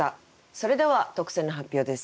それでは特選の発表です。